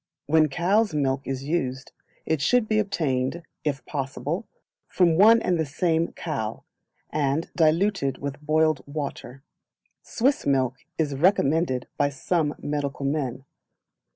When cows' milk is used it should be obtained, if possible, from one and the same cow, and diluted with boiled water. Swiss milk is recommended by some medical men.